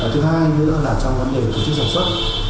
thứ hai nữa là trong vấn đề tổ chức sản xuất